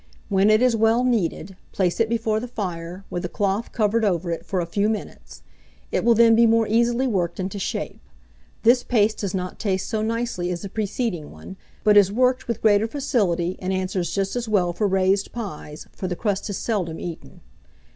When it is well kneaded, place it before the fire, with a cloth covered over it, for a few minutes; it will then be more easily worked into shape. This paste does not taste so nicely as the preceding one, but is worked with greater facility, and answers just as well for raised pies, for the crust is seldom eaten.